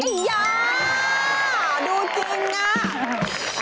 ดูจริงน่ะ